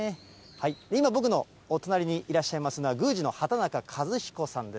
今、僕のお隣にいらっしゃいますのは宮司の畑中一彦さんです。